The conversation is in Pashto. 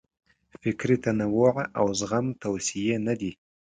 فکري تنوع او زغم توصیې نه دي.